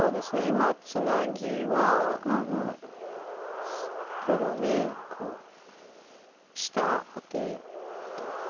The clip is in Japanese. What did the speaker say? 今ツナギは黒にこう下アテと。